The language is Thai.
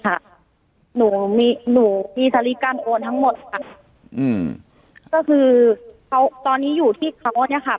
หนูมีหนูมีสลิปการโอนทั้งหมดค่ะอืมก็คือเขาตอนนี้อยู่ที่เขาเนี้ยค่ะ